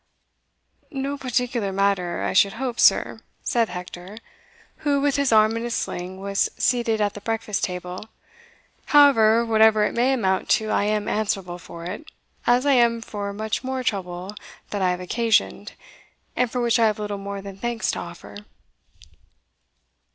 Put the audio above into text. "No particular matter, I should hope, sir," said Hector, who, with his arm in a sling, was seated at the breakfast table; "however, whatever it may amount to I am answerable for it, as I am for much more trouble that I have occasioned, and for which I have little more than thanks to offer."